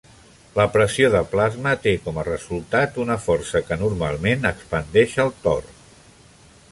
La pressió de plasma té com a resultat una força que normalment expandeix el tor.